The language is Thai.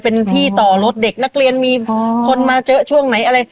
เป็นที่ต่อรถเด็กนักเรียนมีคนมาเจอช่วงไหนอะไร